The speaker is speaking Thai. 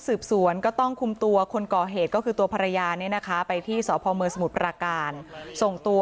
สืบสวนก็ต้องคุมตัวคนก่อเหตุก็คือตัวภรรยาเนี่ยนะคะไปที่สพมสมุทรปราการส่งตัว